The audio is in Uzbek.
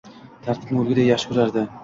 tartibni o’lguday yaxshi ko’rardi